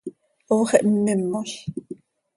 Ox ihmmimoz.